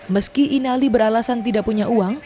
meski inali beralasan tidak punya uang